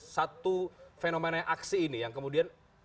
satu fenomena aksi ini yang kemudian